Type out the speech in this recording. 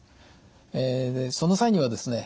でその際にはですね